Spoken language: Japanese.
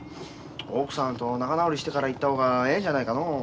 奥さんと仲直りしてから行った方がええんじゃないかのう。